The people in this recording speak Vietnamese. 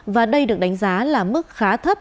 và đây được đánh giá là mức khá thấp